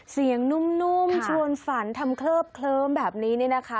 นุ่มชวนฝันทำเคลิบเคลิ้มแบบนี้เนี่ยนะคะ